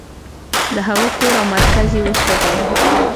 د هغه کور او مرکز یې وسوځاوه.